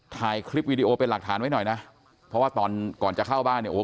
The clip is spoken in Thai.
ถ่ายคลิปวิดีโอเป็นหลักฐานไว้หน่อยนะเพราะว่าตอนก่อนจะเข้าบ้านเนี่ยโอ้โห